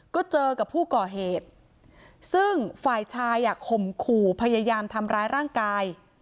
ก็เจอกับผู้ก่อเหตุซึ่งฝ่ายชายข่มขู่พยายามทำร้ายร่างกาย